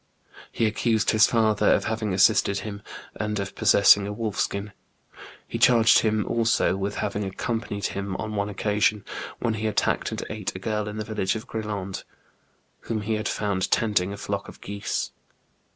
He accused his father of having assisted him, and of possessing a wolf skin ; he charged him also with having accompanied him on one occasion, when he attacked and ate a girl in the village of OriUand, whom he had found tending a flock of geese.